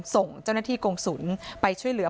ส่งเจ้าหน้าที่กงศูนย์ไปช่วยเหลือ